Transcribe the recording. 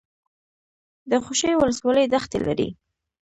د خوشي ولسوالۍ دښتې لري